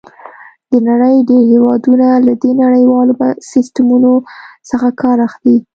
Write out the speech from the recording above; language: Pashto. د نړۍ ډېر هېوادونه له دې نړیوالو سیسټمونو څخه کار اخلي.